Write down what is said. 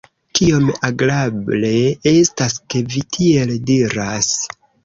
Kiom agrable estas ke vi tiel diras.